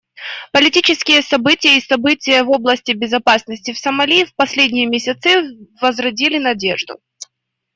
Политические события и события в области безопасности в Сомали в последние месяцы возродили надежду.